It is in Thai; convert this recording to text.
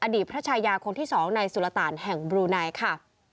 อดีตพระชายาคงที่๒ในสุรต่านแห่งบรูไนท์ค่ะ